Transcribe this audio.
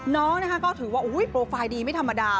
น้องนะคะก็ถือว่าโปรไฟล์ดีไม่ธรรมดา